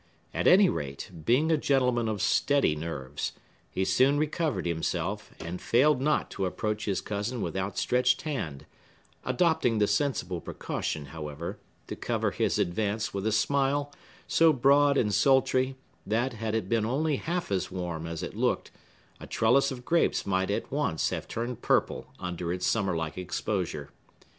At any rate, being a gentleman of steady nerves, he soon recovered himself, and failed not to approach his cousin with outstretched hand; adopting the sensible precaution, however, to cover his advance with a smile, so broad and sultry, that, had it been only half as warm as it looked, a trellis of grapes might at once have turned purple under its summer like exposure.